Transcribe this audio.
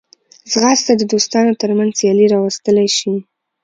ځغاسته د دوستانو ترمنځ سیالي راوستلی شي